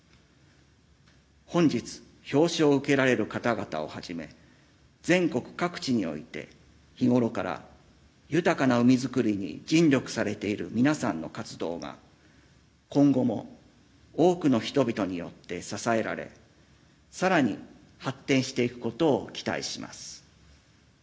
本日表彰を受けられる方々を始め全国各地において日頃から豊かな海づくりに尽力されている皆さんの活動が今後も多くの人々によって支えられさらに発展していくことを期待します。